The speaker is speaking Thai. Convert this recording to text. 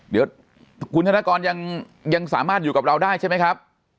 เดี๋ยวคุณธนกรยังสามารถอยู่กับเราได้ใช่ไหมครับ